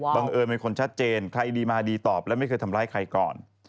เอิญเป็นคนชัดเจนใครดีมาดีตอบและไม่เคยทำร้ายใครก่อน